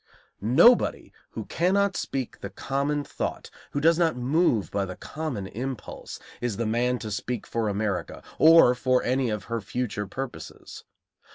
Nobody who cannot speak the common thought, who does not move by the common impulse, is the man to speak for America, or for any of her future purposes.